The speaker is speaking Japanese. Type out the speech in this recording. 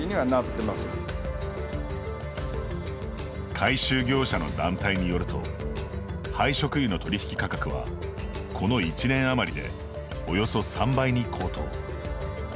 回収業者の団体によると廃食油の取引価格はこの１年あまりでおよそ３倍に高騰。